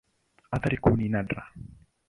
Athari kuu ni nadra.